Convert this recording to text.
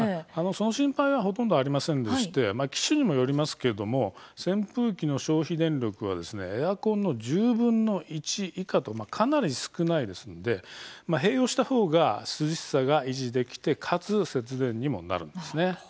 その心配はほとんど、ありませんでして機種にもよりますけれども扇風機の消費電力はエアコンの１０分の１以下とかなり少ないですので併用したほうが涼しさが維持できてかつ節電にもなるんですね。